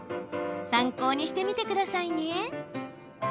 参考にしてみてくださいね。